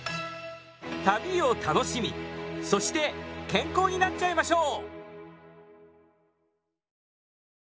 旅を楽しみそして健康になっちゃいましょう！